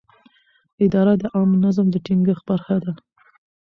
اداره د عامه نظم د ټینګښت برخه ده.